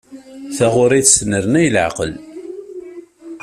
Taɣuri tesnernay leɛqel.